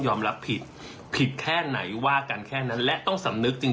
รับผิดผิดแค่ไหนว่ากันแค่นั้นและต้องสำนึกจริง